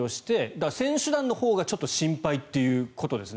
だから、選手団のほうがちょっと心配ということですね。